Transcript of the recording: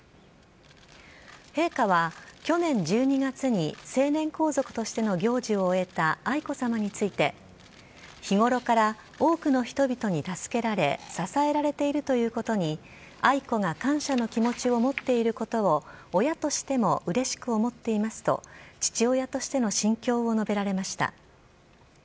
陛下は去年１２月に成年皇族としての行事を終えた愛子さまについて、日頃から多くの人々に助けられ支えられているということに、愛子が感謝の気持ちを持っていることを、親としてもうれしく思っていますと、父親としての心境を述べられました。